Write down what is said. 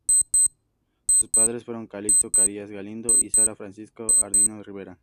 Sus padres fueron Calixto Carias Galindo y Sara Francisca Andino Rivera.